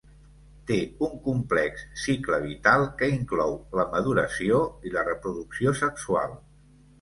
Té un complex cicle vital que inclou la maduració i la reproducció sexual.